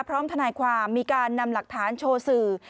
ทนายความมีการนำหลักฐานโชว์สื่อ